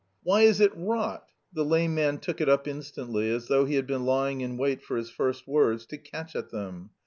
"Why is it rot?" The lame man took it up instantly, as though he had been lying in wait for his first words to catch at them.